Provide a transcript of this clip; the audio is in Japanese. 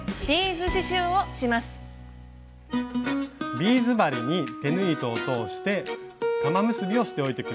ビーズ針に手縫い糸を通して玉結びをしておいて下さい。